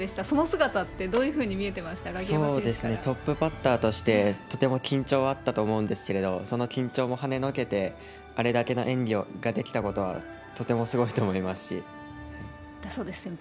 その姿ってどういうふうに見えてそうですね、トップバッターとして、とても緊張はあったと思うんですけれども、その緊張もはねのけて、あれだけの演技ができたことはとてもすごいと思いますだそうです。